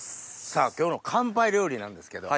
さぁ今日の乾杯料理なんですけど。